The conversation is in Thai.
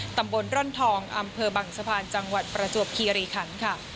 ตำบลร่อนทองอำเภอบังสะพานจังหวัดประจวบคีรีคันค่ะ